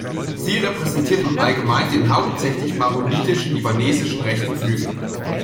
Sie repräsentiert im Allgemeinen den hauptsächlich maronitischen libanesischen rechten Flügel.